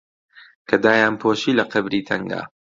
کە دایانپۆشی لە قەبری تەنگا